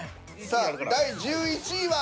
さあ第１１位は。